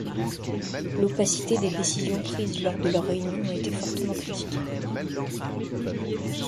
L'opacité des décisions prises lors de leurs réunions a été fortement critiquée.